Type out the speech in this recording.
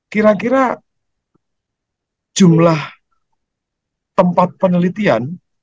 kira kira jumlah tempat penelitian